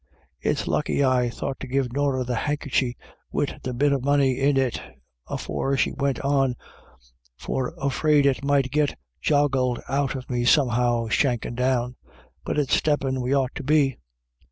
It's lucky I thought to give Norah the hankycher wid the bit of money in it afore she went on, for 'fraid it might git joggled out of me somehow shankin' down. But it's steppin' we ought to be.